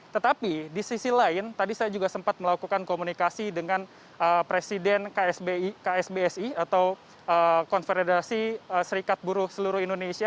tetapi di sisi lain tadi saya juga sempat melakukan komunikasi dengan presiden ksbsi atau konfederasi serikat buruh seluruh indonesia